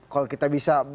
kalau kita bisa